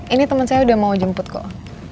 ini teman saya udah mau jemput kok